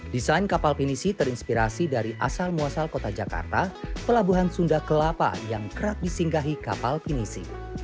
desain kapal pinisi terinspirasi dari asal muasal kota jakarta pelabuhan sunda kelapa yang kerap disinggahi kapal pinisi